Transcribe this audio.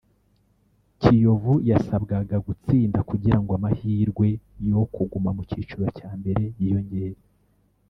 Kiyovu yasabwaga gutsinda kugirango amahirwe yo kuguma mu cyiciro cya mbere yiyongere